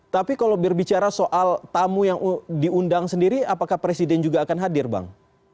tapi kalau berbicara soal tamu yang diundang sendiri apakah presiden juga akan hadir bang